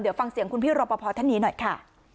เดี๋ยวฟังเสียงคุณพี่รอปภท่านนี้หน่อยค่ะ